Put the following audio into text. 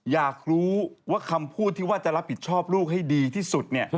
อยากรู้ว่าคำพูดที่ว่าจะรับผิดชอบลูกให้ดีที่สุดเนี่ย